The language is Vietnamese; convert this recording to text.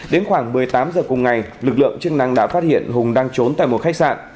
đến khoảng một mươi tám h cùng ngày lực lượng chức năng đã phát hiện hùng đang trốn tại một khách sạn